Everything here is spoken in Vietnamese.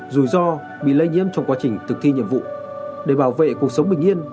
rủi ro bị lây nhiễm trong quá trình thực thi nhiệm vụ để bảo vệ cuộc sống bình yên